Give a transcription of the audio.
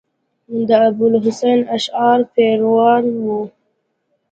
د ابو الحسن اشعري پیروان وو.